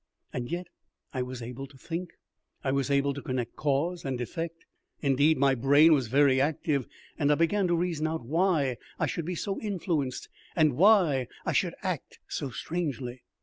And yet I was able to think; I was able to connect cause and effect. Indeed, my brain was very active, and I began to reason out why I should be so influenced, and why I should act so strangely.